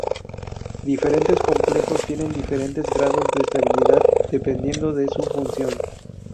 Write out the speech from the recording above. Diferentes complejos tienen diferentes grados de estabilidad dependiendo de su función.